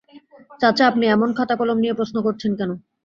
চাচা, আপনি এমন খাতা-কলম নিয়ে প্রশ্ন করছেন কেন?